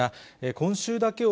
今週だけを